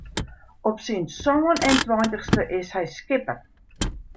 Op syn sân en tweintichste is hy skipper.